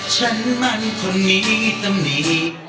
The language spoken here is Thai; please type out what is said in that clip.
ฉันมั่นคงมีตำหนิ